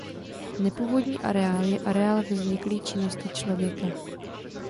Nepůvodní areál je areál vzniklý činností člověka.